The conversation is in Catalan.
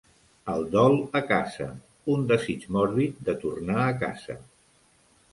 El dol a casa, un desig mòrbid de tornar a casa.